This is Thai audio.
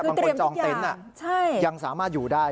แต่บางคนจองเต็นต์น่ะยังสามารถอยู่ได้